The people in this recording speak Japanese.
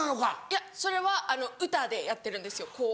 いやそれは歌でやってるんですよこう。